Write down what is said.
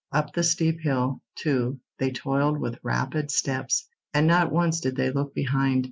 Up the steep hill, too, they toiled with rapid steps, and not once did they look behind.